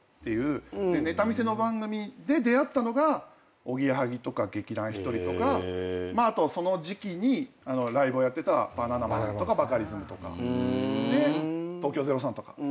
ネタ見せの番組で出会ったのがおぎやはぎとか劇団ひとりとかあとその時期にライブをやってたバナナマンとかバカリズムとか東京０３とか。